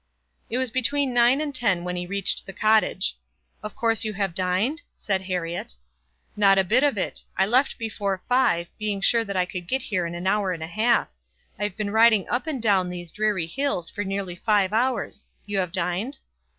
It was between nine and ten when he reached the Cottage. "Of course you have dined?" said Herriot. "Not a bit of it. I left before five, being sure that I could get here in an hour and a half. I have been riding up and down these dreary hills for nearly five hours. You have dined?"